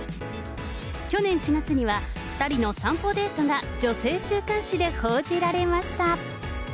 去年４月には、２人の散歩デートが女性週刊誌で報じられました。